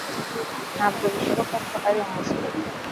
Ntabwo bishoboka ko ari umuswa